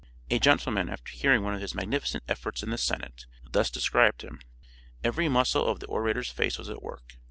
A gentleman, after hearing one of his magnificent efforts in the Senate, thus described him: "Every muscle of the orator's face was at work.